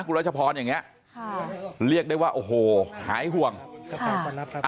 คุณรัชพรอย่างเงี้ยค่ะเรียกได้ว่าโอ้โหหายห่วง